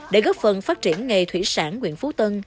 để góp phần phát triển nghề thủy sản quyện phú tân